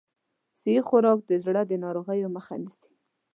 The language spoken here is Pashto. صحي خوراک د زړه د ناروغیو مخه نیسي.